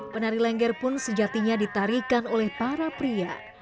penari lengger pun sejatinya ditarikan oleh para pria